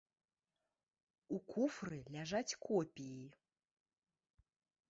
У куфры ляжаць копіі.